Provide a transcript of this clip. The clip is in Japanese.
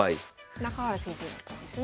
中原先生だったんですね。